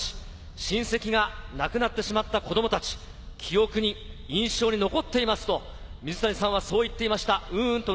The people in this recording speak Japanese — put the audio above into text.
親戚が亡くなってしまった子供たち、記憶に、印象に残っていますと水谷さんは言っていました。